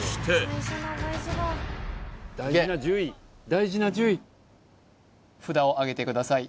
大事な１０位札をあげてください